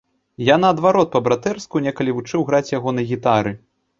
Я наадварот па-братэрску некалі вучыў граць яго на гітары!